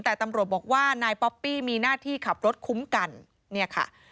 แต่ตำรวจบอกว่านายป๊อปปี้มีหน้าที่ขับรถคุ้มกันเนี่ยค่ะ